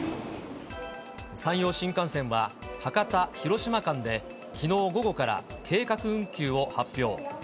山陽新幹線は、博多・広島間で、きのう午後から計画運休を発表。